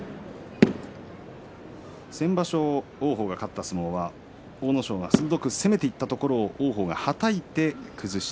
先場所、王鵬が勝った相撲は、阿武咲が鋭く攻めていったところを王鵬がはたきました。